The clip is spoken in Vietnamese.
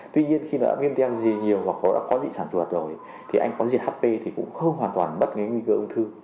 tuy nhiên khi nó đã viêm theo nhiều hoặc nó đã có dị sản ruột rồi thì anh có diệt hp thì cũng không hoàn toàn bất ngay nguy cơ ung thư